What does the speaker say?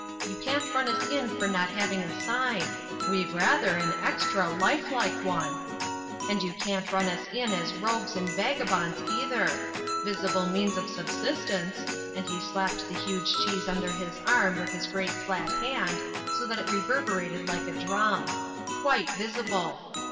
You can't run us in for not having a sign; we've rather an extra life like one. And you can't run us Digitized by VjOOQ IC THE BATTLE OF THE TUNNEL 163 in as rogues and vagabonds either. Visible means of subsistence," and he slapped the huge cheese under his arm with his great flat hand, so that it reverberated like a drum. "Quite visible.